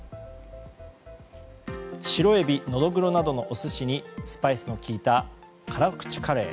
白エビノドグロなどのお寿司にスパイスのきいた辛口カレー。